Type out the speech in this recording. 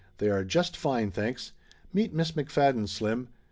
"They are just fine, thanks. Meet Miss McFadden, Slim.